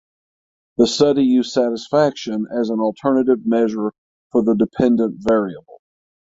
The study used satisfaction as an alternative measure for the dependent variable.